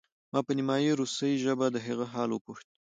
ما په نیمه روسۍ ژبه د هغې حال وپوښت